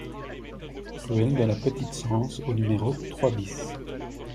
Ruelle de la Petite Cense au numéro trois BIS